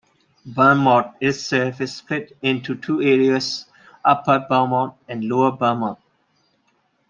Burnmouth itself is split into two areas: Upper Burnmouth and Lower Burnmouth.